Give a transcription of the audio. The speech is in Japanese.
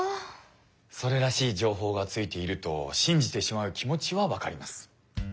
それらしい情報がついていると信じてしまう気持ちはわかります。